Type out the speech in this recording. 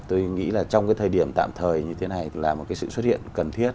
tôi nghĩ là trong thời điểm tạm thời như thế này là một sự xuất hiện cần thiết